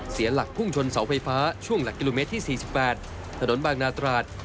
เสียหลักพุ่งชนเสาไฟฟ้าช่วงหลักกิโลเมตรที่๔๘ถนนบางนาตราด